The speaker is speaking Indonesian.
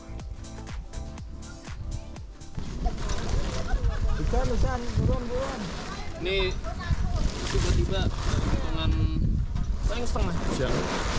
ini tiba tiba saya yang setengah hujan